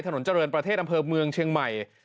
ถนนเจริญประเทศอำเภอเมืองเชียงใหม่